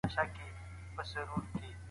تاسي کله د پښتو ژبي لپاره ځانګړی وخت وټاکلی؟